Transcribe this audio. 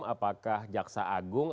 apakah jaksa agung